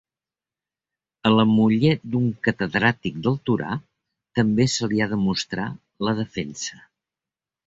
A la muller d'un catedràtic del Torà també se li ha de mostrar la defensa.